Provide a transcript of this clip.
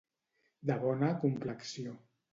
De bona complexió.